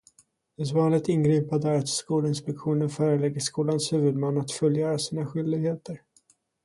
Ett vanligt ingripande är att Skolinspektionen förelägger skolans huvudman att fullgöra sina skyldigheter.